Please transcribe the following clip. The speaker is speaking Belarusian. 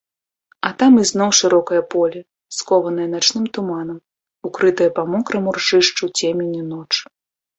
А там ізноў шырокае поле, скованае начным туманам, укрытае па мокраму ржышчу цеменню ночы.